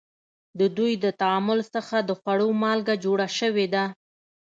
د دوی د تعامل څخه د خوړو مالګه جوړه شوې ده.